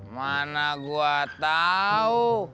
mana gua tau